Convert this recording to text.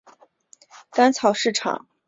干草市场车站是苏格兰第八繁忙的车站。